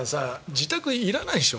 自宅、いらないでしょ？